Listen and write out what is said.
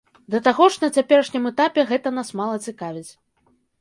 Да таго ж, на цяперашнім этапе гэта нас мала цікавіць.